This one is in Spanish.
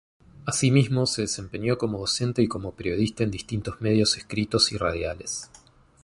Asimismo se desempeñó como docente y como periodista en distintos medios escritos y radiales.